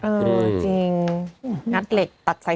เออจริงงัดเหล็กตัดใส่ไฟ